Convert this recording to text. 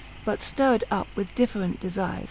But ftirred up with different defires.